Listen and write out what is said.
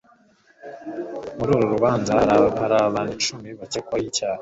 Muri uru rubanza hari abantu icumi bakekwaho icyaha.